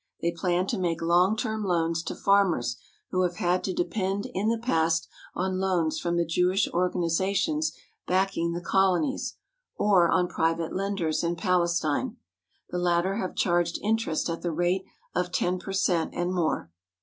They plan to make long time loans to farmers who have had to depend in the past on loans from the Jewish organizations backing the colonies, or on private lenders in Palestine. The latter have charged interest at the rate of 10 per cent, and more.